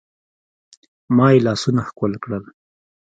ما يې لاسونه ښکل کړل.